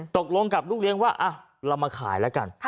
ตกลงกับลูกเลี้ยงว่าเรามาขายแล้วกัน